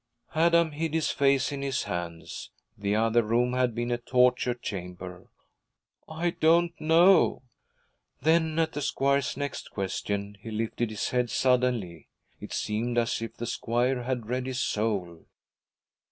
Adam hid his face in his hands. The other room had been a torture chamber. 'I don't know.' Then, at the squire's next question, he lifted his head suddenly. It seemed as if the squire had read his soul.